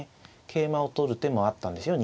桂馬を取る手もあったんですよ。